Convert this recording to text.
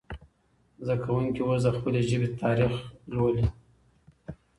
زده کوونکي اوس د خپلې ژبې تاریخ لولي.